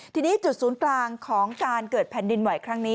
ทีนี้จุดศูนย์กลางของการเกิดแผ่นดินไหวครั้งนี้